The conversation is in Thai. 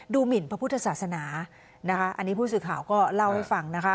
หมินพระพุทธศาสนานะคะอันนี้ผู้สื่อข่าวก็เล่าให้ฟังนะคะ